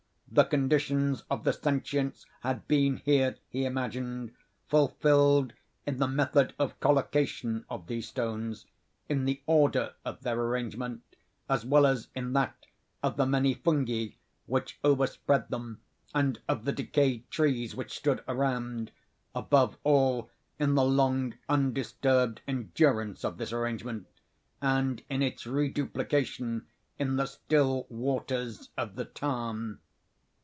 The conditions of the sentience had been here, he imagined, fulfilled in the method of collocation of these stones—in the order of their arrangement, as well as in that of the many fungi which overspread them, and of the decayed trees which stood around—above all, in the long undisturbed endurance of this arrangement, and in its reduplication in the still waters of the tarn.